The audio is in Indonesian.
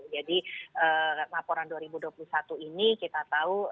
jadi laporan dua ribu dua puluh satu ini kita tahu